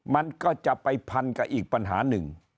มันก็จะไปพันกับอีกปัญหาหนึ่ง